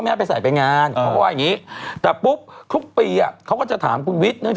ไม่ได้เอาไปเขาก็คืน